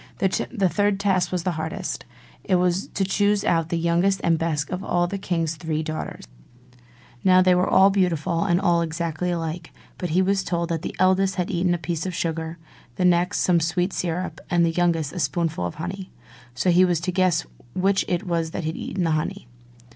The third task was the hardest. It was to choose out the youngest and the best of the king's three daughters. Now they were all beautiful, and all exactly alike: but he was told that the eldest had eaten a piece of sugar, the next some sweet syrup, and the youngest a spoonful of honey; so he was to guess which it was that had eaten the honey.